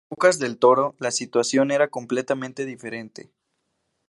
En Bocas del Toro, la situación era completamente diferente.